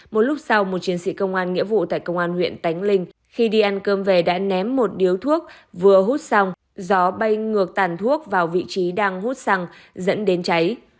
một lúc sau một chiến sĩ công an nghĩa vụ tại công an huyện tánh linh khi đi ăn cơm về đã ném một điếu thuốc vừa hút xong gió bay ngược tàn thuốc vào vị trí đang hút xăng dẫn đến cháy